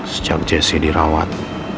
sejak jesse dirawat